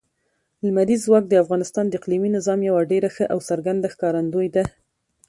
لمریز ځواک د افغانستان د اقلیمي نظام یوه ډېره ښه او څرګنده ښکارندوی ده.